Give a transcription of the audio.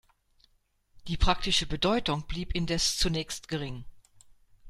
Die praktische Bedeutung blieb indes zunächst gering.